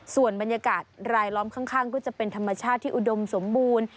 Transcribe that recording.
ส่วนบรรยากาศรายล้อมข้างก็จะเป็นธรรมชาติที่อุดมสมบูรณ์